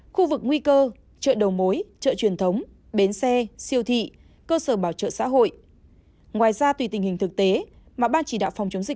khu vực nguy cơ chợ đầu mối chợ truyền thống bến xe siêu thị cơ sở bảo trợ xã hội